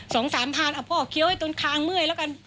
สองสามพันเอาพ่อเคี้ยวให้ตนคางเมื่อยแล้วกัน